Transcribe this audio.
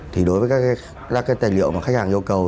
thì đối với các cái tài liệu mà khách hàng yêu cầu